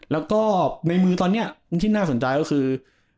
แล้วก็ในมือตอนนี้ที่น่าสนใจก็คือ